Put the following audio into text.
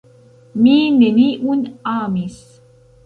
mi neniun amis.